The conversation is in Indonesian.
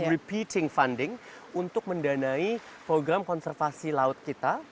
memperoleh dana untuk mendanai program konservasi laut kita